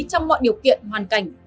trong mọi điều kiện hoàn cảnh